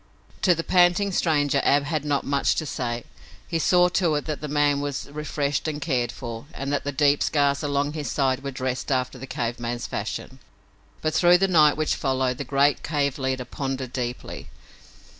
To the panting stranger Ab had not much to say. He saw to it that the man was refreshed and cared for and that the deep scars along his side were dressed after the cave man's fashion. But through the night which followed the great cave leader pondered deeply.